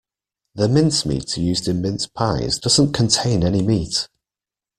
The mincemeat used in mince pies doesn't contain any meat